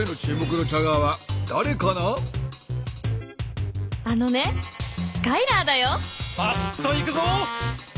バシっといくぞ！